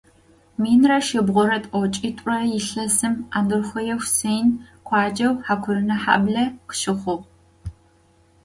Minıre şsibğure t'oç'it're yilhesım Andırxhoê Xhusên khuaceu Hakurınehable khışıxhuğ.